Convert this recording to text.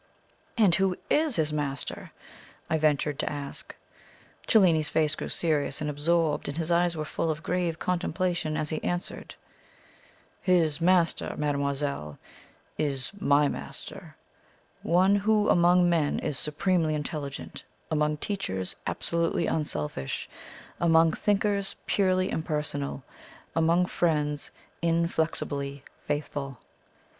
"And who IS his master?" I ventured to ask. Cellini's face grew serious and absorbed, and his eyes were full of grave contemplation as he answered: "His master, mademoiselle, is MY master one who among men, is supremely intelligent; among teachers, absolutely unselfish; among thinkers, purely impersonal; among friends, inflexibly faithful.